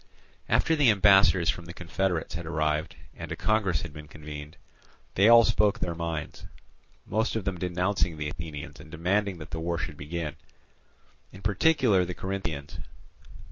After the ambassadors from the confederates had arrived and a congress had been convened, they all spoke their minds, most of them denouncing the Athenians and demanding that the war should begin. In particular the Corinthians.